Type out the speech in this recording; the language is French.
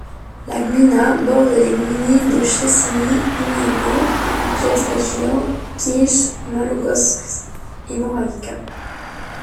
La gmina borde les gminy de Chęciny, Imielno, Jędrzejów, Kije, Małogoszcz et Morawica.